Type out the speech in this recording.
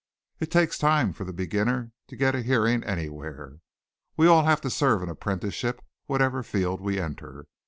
It takes time for the beginner to get a hearing anywhere. We all have to serve an apprenticeship, whatever field we enter.